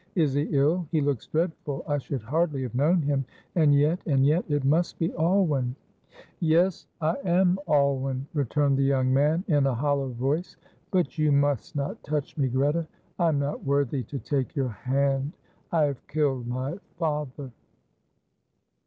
Is he ill? He looks dreadful. I should hardly have known him and yet and yet it must be Alwyn." "Yes, I am Alwyn," returned the young man, in a hollow voice. "But you must not touch me, Greta. I am not worthy to take your hand. I have killed my father!"